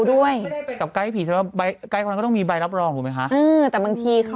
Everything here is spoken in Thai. ดังนั้นมันเช็ค